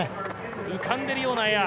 浮かんでるようなエアー。